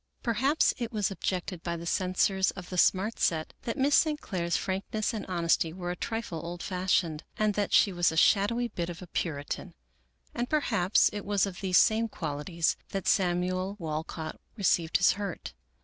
Perhaps it was objected by the censors of the Smart Set that Miss St. Clair's frankness and honesty were a trifle old fashioned, and that she was a shadowy bit of a Puritan ; and perhaps it was of these same qualities that Samuel Wal cott received his hurt.